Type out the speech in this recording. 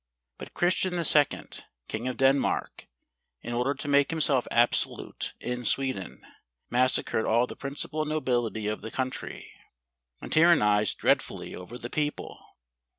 But Christian II. King of Denmark, in order to make himself absolute in Sweden, massacred all the principal nobility of the country, and tyrannized dreadfully over the people.